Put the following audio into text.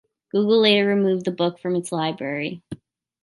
Google later removed the book from its library.